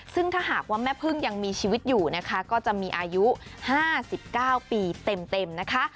ซึ่งถ้าหากว่าแม่พึ่งยังมีชีวิตอยู่นะคะก็จะมีอายุ๕๙ปีเต็มนะคะ